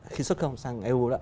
khi xuất không sang eu